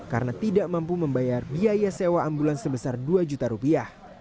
karena tidak mampu membayar biaya sewa ambulans sebesar dua juta rupiah